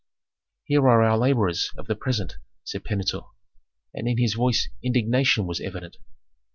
"Here are our laborers of the present," said Pentuer, and in his voice indignation was evident.